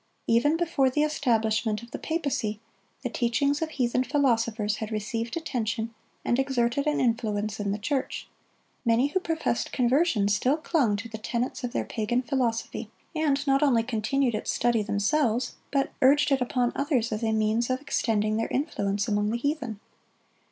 Even before the establishment of the papacy, the teachings of heathen philosophers had received attention and exerted an influence in the church. Many who professed conversion still clung to the tenets of their pagan philosophy, and not only continued its study themselves, but urged it upon others as a means of extending their influence among the heathen.